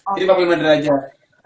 jadi empat puluh lima derajat